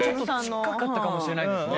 近かったかもしれないですね。